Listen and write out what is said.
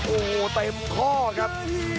โอ้โหเต็มข้อครับ